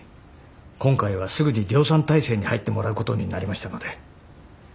今回はすぐに量産態勢に入ってもらうことになりましたので。